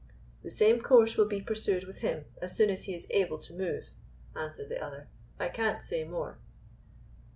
"The same course will be pursued with him, as soon as he is able to move," answered the other. "I can't say more."